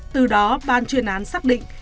từ đó ban chuyên án xác định